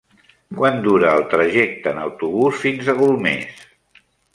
Quant dura el trajecte en autobús fins a Golmés?